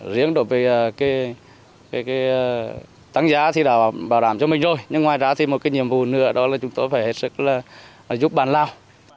riêng đối với tăng gia thì đã bảo đảm cho mình rồi nhưng ngoài ra thì một cái nhiệm vụ nữa là chúng tôi phải hết sức giúp bạn lao